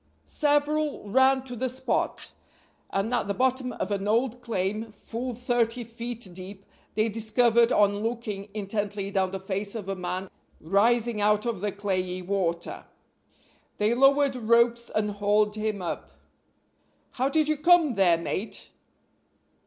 Several ran to the spot, and at the bottom of an old claim full thirty feet deep they discovered on looking intently down the face of a man rising out of the clayey water. They lowered ropes and hauled him up. "How did you come there, mate?"